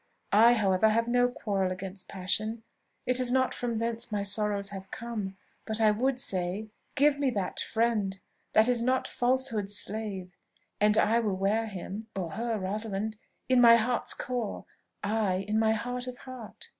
I, however, have no quarrel against passion, it is not from thence my sorrows have come; but I would say, 'Give me that friend That is not falsehood's slave, and I will wear him (or her, Rosalind,) In my heart's core, ay, in my heart of heart.'